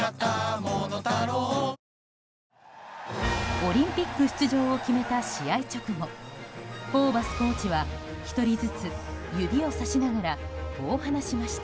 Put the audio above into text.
オリンピック出場を決めた試合直後ホーバスコーチは１人ずつ指をさしながらこう話しました。